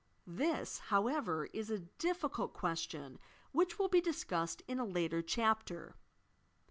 This, however, is a difficult question which will be discussed in a later chapter.